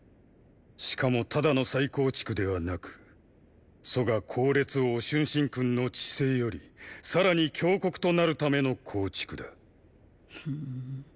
しかもただの再構築ではなく楚が考烈王・春申君の治世よりさらに強国となるための構築だ。